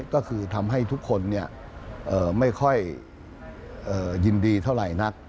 ก็คือทำให้ทุกคนไม่ค่อยยินดีเท่าไหร่นัก